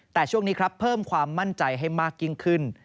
แต่ช่วงนี้ครับเพิ่มความมั่นใจให้มากยิ่งขึ้น